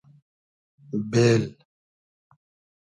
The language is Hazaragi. بېل